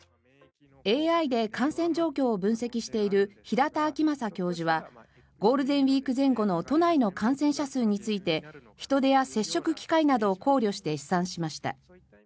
ＡＩで感染状況を分析している平田晃正教授はゴールデンウィーク前後の都内の感染者数について人出や接触機会などを考慮して試算しました。